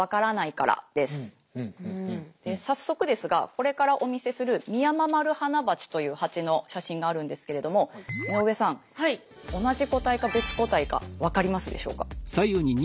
早速ですがこれからお見せするミヤママルハナバチというハチの写真があるんですけれども井上さん同じ個体か別個体か分かりますでしょうか？